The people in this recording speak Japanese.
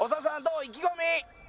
意気込み。